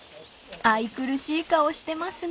［愛くるしい顔してますね］